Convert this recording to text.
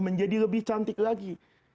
menjadi lebih cantik lagi